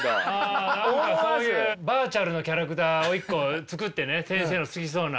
何かそういうバーチャルのキャラクターを一個作ってね先生の好きそうな。